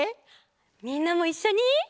みんなもいっしょに！